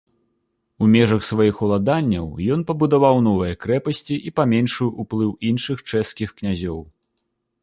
У межаў сваіх уладанняў ён пабудаваў новыя крэпасці і паменшыў уплыў іншых чэшскіх князёў.